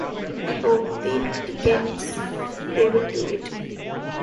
I hope the dickens they'll do it.